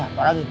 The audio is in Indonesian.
eh apa lagi